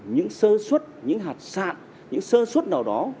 những sơ xuất những hạt sạn những sơ xuất nào đó